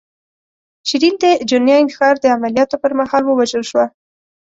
شیرین د جنین ښار د عملیاتو پر مهال ووژل شوه.